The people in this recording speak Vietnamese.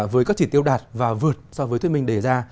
với các chỉ tiêu đạt và vượt so với thuyết minh đề ra